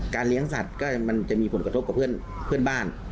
เลี้ยงสัตว์ก็มันจะมีผลกระทบกับเพื่อนบ้าน